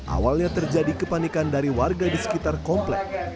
awalnya terjadi kepanikan dari warga di sekitar komplek